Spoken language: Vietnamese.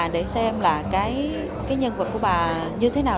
để xem là cái nhân vật của bà như thế nào